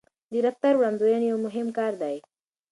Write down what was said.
د رفتار وړاندوينه یو مهم کار دی.